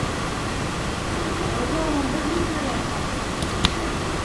Рауза уның бер һүҙенә лә ышанмай.